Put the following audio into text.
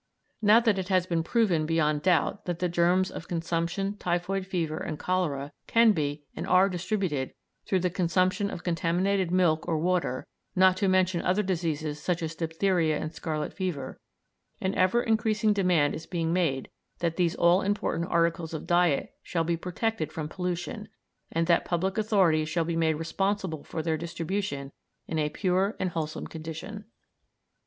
Now that it has been proven beyond doubt that the germs of consumption, typhoid fever, and cholera can be and are distributed through the consumption of contaminated milk or water, not to mention other diseases such as diphtheria and scarlet fever, an ever increasing demand is being made that these all important articles of diet shall be protected from pollution, and that public authorities shall be made responsible for their distribution in a pure and wholesome condition.